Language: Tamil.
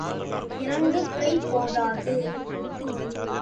இரண்டு கை போதாது.